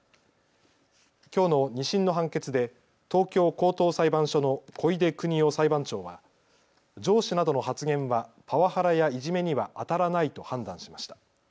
きょうの２審の判決で東京高等裁判所の小出邦夫裁判長は上司などの発言はパワハラやいじめにはあたらないと判断しました。